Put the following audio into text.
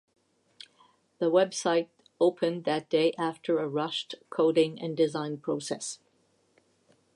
The website opened that day after a rushed coding and design process.